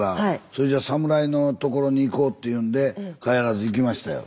それじゃサムライのところに行こうっていうんで帰らず行きましたよ。